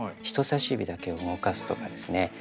人さし指だけを動かすとかですね